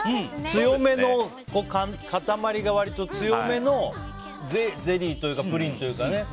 強めの固まりが、割と強めのゼリーというかプリンというかね。